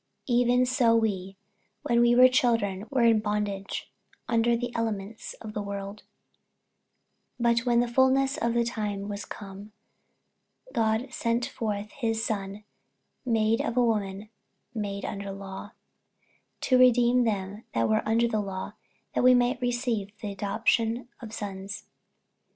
48:004:003 Even so we, when we were children, were in bondage under the elements of the world: 48:004:004 But when the fulness of the time was come, God sent forth his Son, made of a woman, made under the law, 48:004:005 To redeem them that were under the law, that we might receive the adoption of sons.